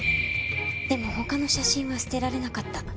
でも他の写真は捨てられなかった。